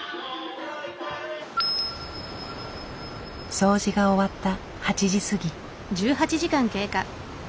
掃除が終わった８時過ぎ。